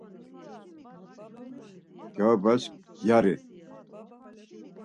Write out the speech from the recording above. Gaubaş gyarii?